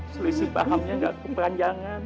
selisih pahamnya tidak kepanjangan